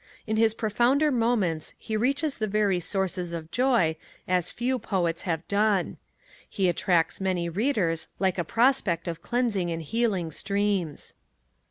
In his profounder moments he reaches the very sources of joy as few poets have done. He attracts many readers like a prospect of cleansing and healing streams.